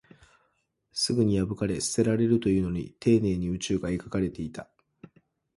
すぐに破かれ、捨てられるというのに、丁寧に宇宙が描かれていた